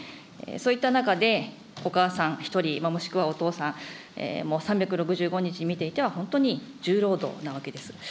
そういった中で、お母さん１人、もしくはお父さん、もう３６５日見ていては、本当に重労働なわけです。